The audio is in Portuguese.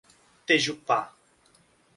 Tejupá